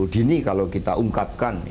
dini kalau kita ungkapkan